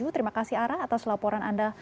terima kasih arah atas laporan anda